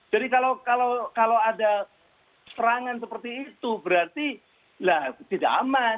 jadi kalau ada serangan seperti itu berarti tidak aman